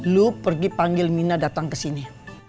lu pergi panggil mina datang kesini